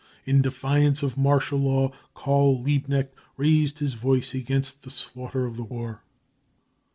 In defiance of martial law, Karl Liebknecht raised his voice against the slaughter of the war.